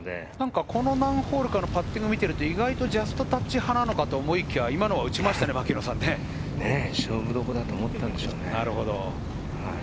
この何ホールかのパッティングを見るとジャストタッチ派なのかと思いきや、今のは打ちま勝負どころだと思ったんでしょうね。